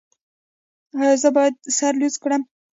ایا زه باید سر لوڅ کړم؟